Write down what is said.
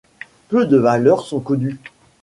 Peu de valeurs sont connues.